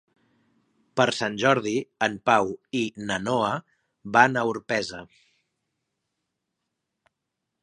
Per Sant Jordi en Pau i na Noa van a Orpesa.